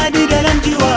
di dalam jiwa